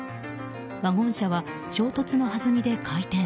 ワゴン車は衝突のはずみで回転。